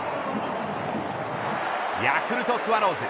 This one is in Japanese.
ヤクルトスワローズ